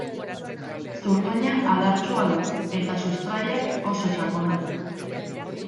Zurtoina adartsua du eta sustraiak oso sakonak.